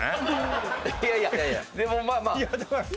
いやいやでもまあまあ。